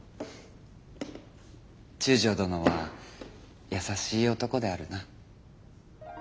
中将殿は優しい男であるな。